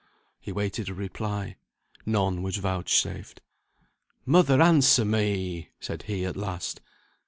He awaited a reply. None was vouchsafed. "Mother, answer me!" said he, at last.